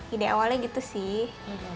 ide awalnya gitu sih